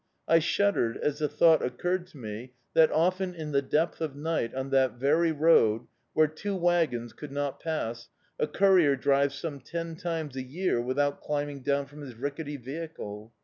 I shuddered, as the thought occurred to me that often in the depth of night, on that very road, where two wagons could not pass, a courier drives some ten times a year without climbing down from his rickety vehicle.